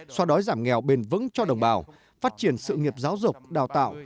so đói giảm nghèo bền vững cho đồng bào phát triển sự nghiệp giáo dục đào tạo